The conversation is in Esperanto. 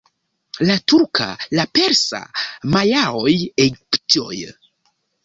La turka, la persa, majaoj, egiptoj.